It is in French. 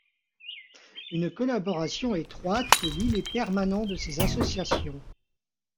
Une collaboration étroite lie les permanents de ces associations.